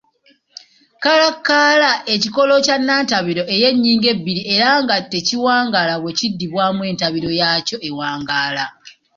kalaakala:Ekikolo kya nnantabira ey’ennyingo ebbiri era nga tekiwangaala, bwe kiddibwamu entabiro yaakyo ewangaala.